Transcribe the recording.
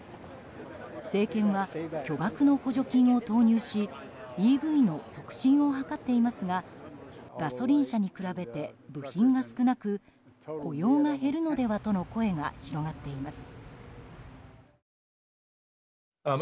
政権は巨額の補助金を投入しＥＶの促進を図っていますがガソリン車に比べて部品が少なく雇用が減るのではとの声が広がっています。